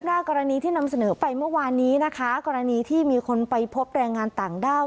หน้ากรณีที่นำเสนอไปเมื่อวานนี้นะคะกรณีที่มีคนไปพบแรงงานต่างด้าว